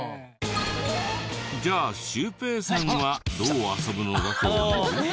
じゃあシュウペイさんはどう遊ぶのだと思う？